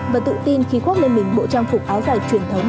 và tự tin khi khoác lên mình bộ trang phục áo dài truyền thống